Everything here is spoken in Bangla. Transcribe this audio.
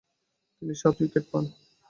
তিনি সাত উইকেট পান।